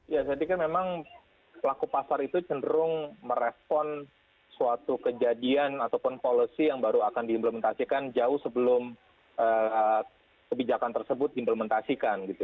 ya saya pikir memang pelaku pasar itu cenderung merespon suatu kejadian ataupun policy yang baru akan diimplementasikan jauh sebelum kebijakan tersebut diimplementasikan gitu